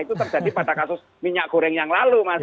itu terjadi pada kasus minyak goreng yang lalu mas